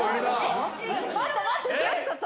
・待って待ってどういうこと！？